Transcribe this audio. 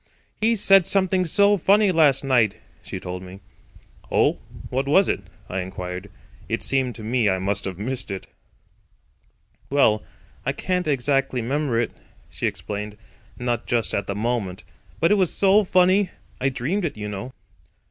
"He said something so funny last night," she told me. "Oh, what was it?" I inquired. It seemed to me I must have missed it. "Well, I can't exactly 'member it," she explained, "not just at the moment. But it was so funny. I dreamed it, you know."